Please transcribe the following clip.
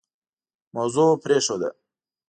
موضوع پرېښوده.